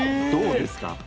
どうですか？